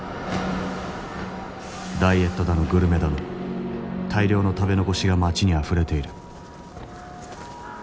ダイエットだのグルメだの大量の食べ残しが街にあふれている。